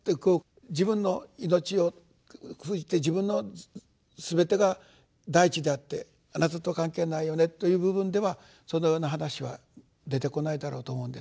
自分の命を封じて自分の全てが第一であってあなたと関係ないよねという部分ではそのような話は出てこないだろうと思うんですが。